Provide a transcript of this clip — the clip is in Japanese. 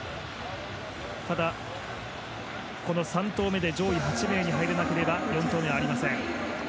ただ、この３投目で上位８名に入れなければ４投目はありません。